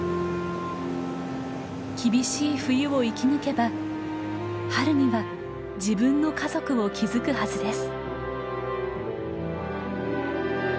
厳しい冬を生き抜けば春には自分の家族を築くはずです。